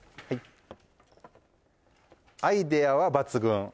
はいアイデアは抜群！